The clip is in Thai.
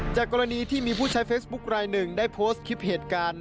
กรณีที่มีผู้ใช้เฟซบุ๊คลายหนึ่งได้โพสต์คลิปเหตุการณ์